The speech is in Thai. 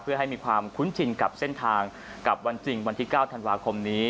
เพื่อให้มีความคุ้นชินกับเส้นทางกับวันจริงวันที่๙ธันวาคมนี้